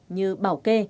như bảo kê